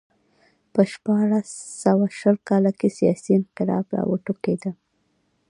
په شپاړس سوه شل کال کې سیاسي انقلاب راوټوکېد